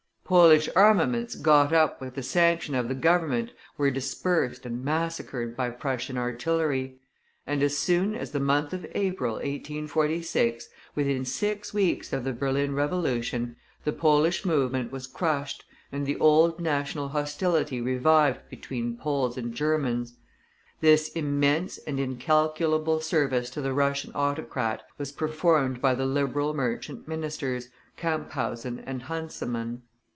Polish armaments got up with the sanction of the Government were dispersed and massacred by Prussian artillery; and as soon as the month of April, 1848, within six weeks of the Berlin Revolution, the Polish movement was crushed, and the old national hostility revived between Poles and Germans. This immense and incalculable service to the Russian autocrat was performed by the Liberal merchant ministers, Camphausen and Hansemann.